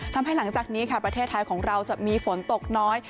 หลังจากนี้ค่ะประเทศไทยของเราจะมีฝนตกน้อย